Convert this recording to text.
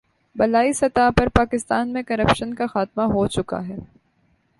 بالائی سطح پر پاکستان میں کرپشن کا خاتمہ ہو چکا ہے۔